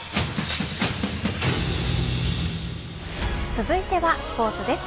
続いてはスポーツです。